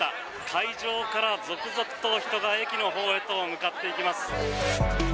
会場から続々と、人が駅のほうへと向かっていきます。